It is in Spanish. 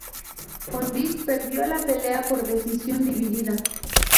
Condit perdió la pelea por decisión dividida.